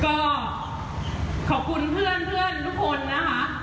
ก็ขอบคุณเพื่อนทุกคนนะคะ